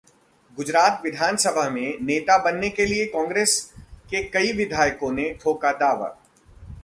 गुजरात विधानसभा में नेता बनने के लिए कांग्रेस के कई विधायकों ने ठोंका दावा